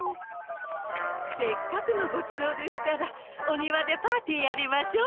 せっかくのごちそうですからお庭でパーティーやりましょう。